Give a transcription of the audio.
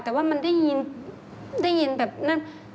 แต่ว่ามันได้ยินแบบนั้น